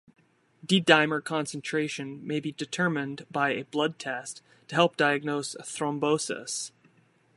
D-dimer concentration may be determined by a blood test to help diagnose thrombosis.